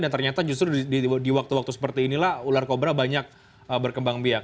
dan ternyata justru di waktu waktu seperti inilah ular kobra banyak berkembang biak